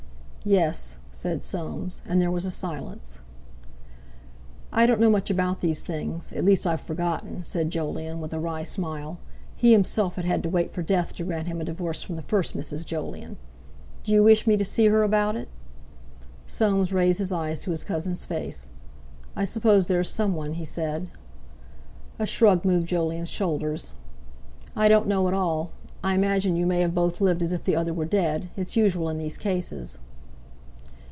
"Yes," said Soames. And there was a silence. "I don't know much about these things—at least, I've forgotten," said Jolyon with a wry smile. He himself had had to wait for death to grant him a divorce from the first Mrs. Jolyon. "Do you wish me to see her about it?" Soames raised his eyes to his cousin's face. "I suppose there's someone," he said. A shrug moved Jolyon's shoulders. "I don't know at all. I imagine you may have both lived as if the other were dead. It's usual in these cases."